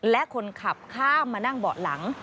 และคนขับข้ามมานั่งเบาะหลัง